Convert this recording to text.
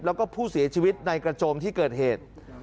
แล้วก็ผู้เสียชีวิตในกระโจมที่เกิดเหตุ